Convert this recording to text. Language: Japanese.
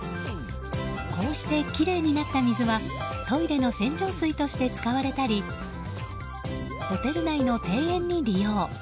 こうしてきれいになった水はトイレの洗浄水として使われたりホテル内の庭園に利用。